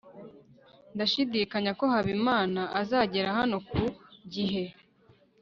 ndashidikanya ko habimana azagera hano ku gihe